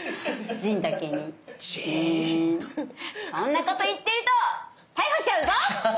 そんなこと言ってると逮捕しちゃうぞ！